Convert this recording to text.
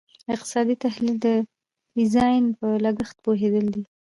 اقتصادي تحلیل د ډیزاین په لګښت پوهیدل دي.